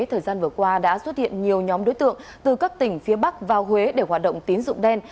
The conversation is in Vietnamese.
thời gian vừa qua đã xuất hiện nhiều nhóm đối tượng từ các tỉnh phía bắc vào huế để hoạt động tín dụng đen